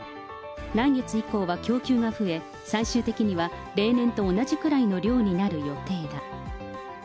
来月以降は供給が増え、最終的には例年と同じくらいの量になる予定だ。